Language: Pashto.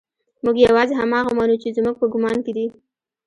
موږ يوازې هماغه منو چې زموږ په ګمان کې دي.